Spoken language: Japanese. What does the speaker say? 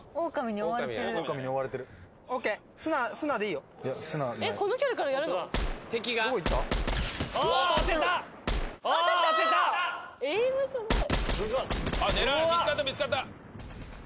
見つかった見つかった！